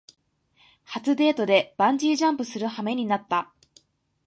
初デートでバンジージャンプするはめになった